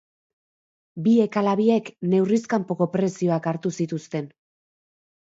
Biek ala biek neurriz kanpoko prezioak hartu zituzten.